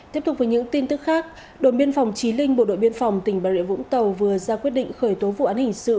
tiếp tục với những tin tức khác đồn biên phòng trí linh bộ đội biên phòng tỉnh bà rịa vũng tàu vừa ra quyết định khởi tố vụ án hình sự